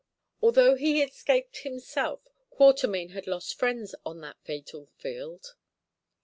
Although he escaped himself, Quatermain had lost friends on that fatal field.